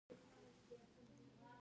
ذهن او دنیا باید روښانه شي.